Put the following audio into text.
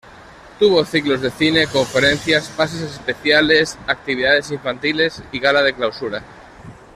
Tuvo ciclos de cine, conferencias, pases especiales, actividades infantiles y Gala de Clausura.